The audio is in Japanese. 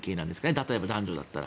例えば、男女だったら。